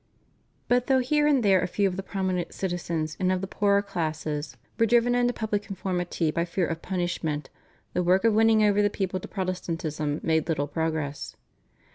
But though here and there a few of the prominent citizens and of the poorer classes were driven into public conformity by fear of punishment, the work of winning over the people to Protestantism made little progress.